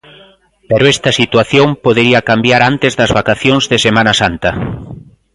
Pero esta situación podería cambiar antes das vacacións de Semana Santa.